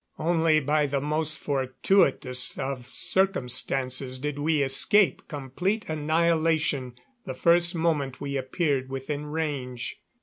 Only by the most fortuitous of circumstances did we escape complete annihilation the first moment we appeared within range.